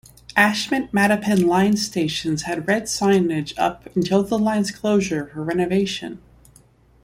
Ashmont-Mattapan Line stations had red signage up until the line's closure for renovation.